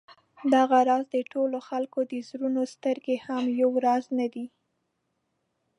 دغه راز د ټولو خلکو د زړونو سترګې هم یو راز نه دي.